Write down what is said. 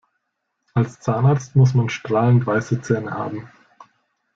Als Zahnarzt muss man strahlend weiße Zähne haben.